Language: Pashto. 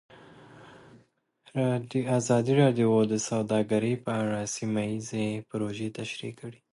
ازادي راډیو د سوداګري په اړه سیمه ییزې پروژې تشریح کړې.